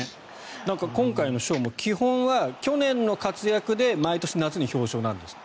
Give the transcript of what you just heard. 今回の賞も基本は去年の活躍で毎年夏に表彰なんですって。